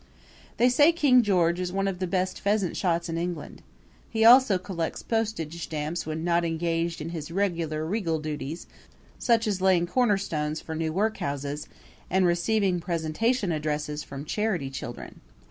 They say King George is one of the best pheasant shots in England. He also collects postage stamps when not engaged in his regular regal duties, such as laying cornerstones for new workhouses and receiving presentation addresses from charity children.